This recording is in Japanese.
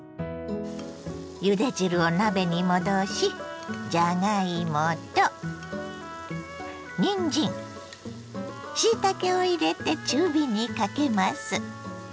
ゆで汁を鍋に戻しじゃがいもとにんじんしいたけを入れて中火にかけます。